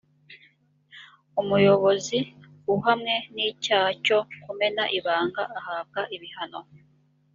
umuyobozi uhamwe n’icyaha cyo kumena ibanga ahabwa ibihano